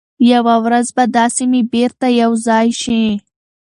یوه ورځ به دا سیمي بیرته یو ځای شي.